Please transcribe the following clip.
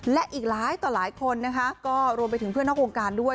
และอีกหลายต่อหลายคนนะคะก็รวมไปถึงเพื่อนนอกวงการด้วย